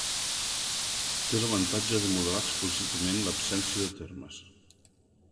Té l"avantatge de modelar explícitament l"absència de termes.